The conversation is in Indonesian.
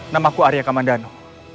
namaku arya kamandano